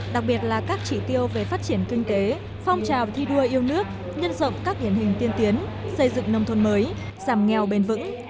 đặc biệt là các chỉ tiêu về phát triển kinh tế phong trào thi đua yêu nước nhân rộng các điển hình tiên tiến xây dựng nông thôn mới giảm nghèo bền vững